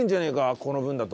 この分だと。